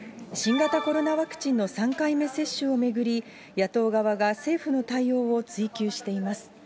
新型コロナワクチンの３回目接種を巡り、野党側が政府の対応を追及しています。